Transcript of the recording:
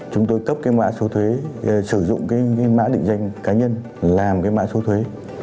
chúng tôi cấp mạng số thuế sử dụng mạng định danh cá nhân làm mạng số thuế